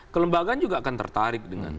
kelembagaan juga akan tertarik